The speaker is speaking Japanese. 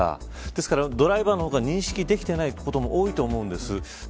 ですから、ドライバーの方が認識できてないことも多いと思うんです。